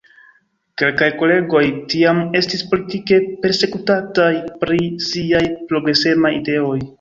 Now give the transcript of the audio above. Kelkaj kolegoj tiam estis politike persekutataj pri siaj progresemaj ideoj.